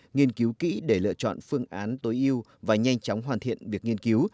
nghiên cứu kỹ để lựa chọn phương án tối ưu và nhanh chóng hoàn thiện việc nghiên cứu